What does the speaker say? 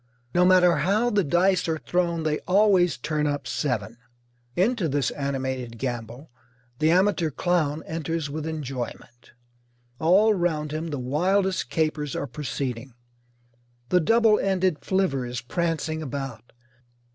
No matter how the dice are thrown they always turn up seven. Into this animated gamble the amateur clown enters with enjoyment. All round him the wildest capers are proceeding. The double ended flivver is prancing about.